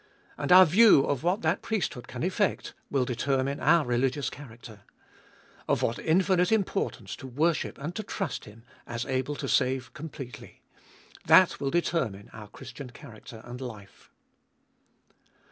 And our view of what that priesthood can effect will determine our religious character. Of what infinite importance to worship and to trust Him, as able to save completely. That wilt determine our Christian character and life.